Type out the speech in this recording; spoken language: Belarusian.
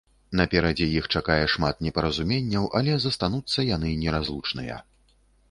Наперадзе іх чакае шмат непаразуменняў, але застануцца яны неразлучныя.